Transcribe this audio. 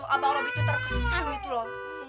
abang lebih tuh terkesan gitu loh